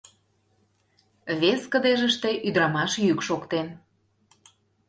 вес кыдежыште ӱдырамаш йӱк шоктен.